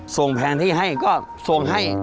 แผนที่ให้ก็ส่งให้